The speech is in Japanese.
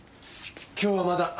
今日はまだ。